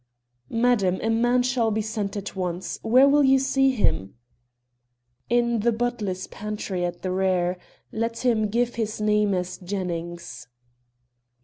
"Madam, a man shall be sent at once. Where will you see him?" "In the butler's pantry at the rear. Let him give his name as Jennings."